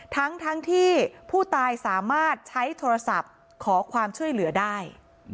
ทั้งที่ผู้ตายสามารถใช้โทรศัพท์ขอความช่วยเหลือได้